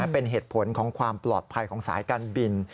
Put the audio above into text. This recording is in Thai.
เป็นเหตุผลของความปลอดภัยของสายการบิน